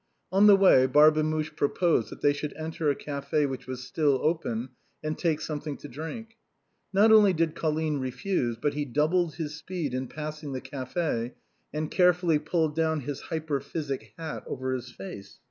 On the way, Barbemuche proposed that they should enter a café which was still open, and take something to drink. Not only did Colline refuse, but he doubled his speed in passing the café, and carefully pulled down his hyperphysic hat over his face.